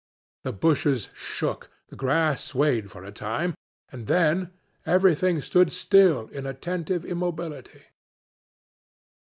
The bushes shook, the grass swayed for a time, and then everything stood still in attentive immobility.